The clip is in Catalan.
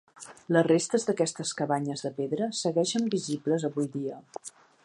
Les restes d'aquestes cabanyes de pedra segueixen visibles avui dia.